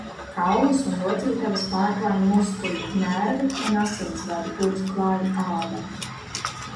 Kaulus un locītavas pārklāj muskuļi, nervi un asinsvadi, kurus klāj āda.